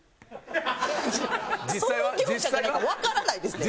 創業者じゃないからわからないですって。